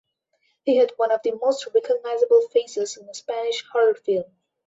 He had one of the most recognizable faces in Spanish horror film.